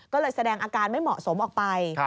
ก็เลยแสดงอาการไม่เหมาะสมออกไป